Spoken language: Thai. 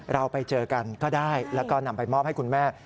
เราไปเจอกันก็ได้แล้วก็นำไปมอบให้คุณแม่